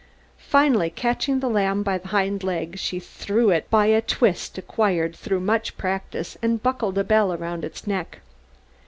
Finally, catching the lamb by the hind leg she threw it by a twist acquired through much practice and buckled a bell around its neck.